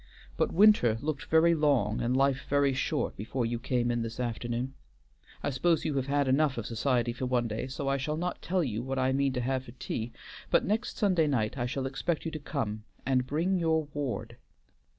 But winter looked very long and life very short before you came in this afternoon. I suppose you have had enough of society for one day, so I shall not tell you what I mean to have for tea, but next Sunday night I shall expect you to come and bring your ward.